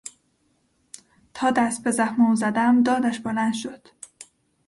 تا دست به زخم او زدم دادش بلند شد.